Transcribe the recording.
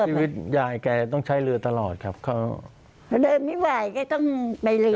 ชีวิตยายแกต้องใช้เรือตลอดครับเขาเดินไม่ไหวแกต้องไปเรือ